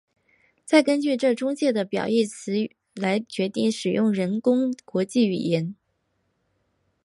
再根据这中介的表义字词来决定使用人工国际语言。